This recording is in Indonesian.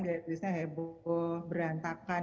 gaya tulisnya heboh berantakan